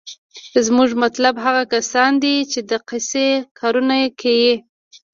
زمونګه مطلوب هغه کسان دي چې دقسې کارونه کيي.